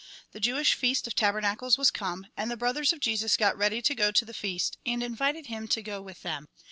The Jewish feast of tabernacles was come. And the brothers of Jesus got ready to go to the feast, and invited him to go with them.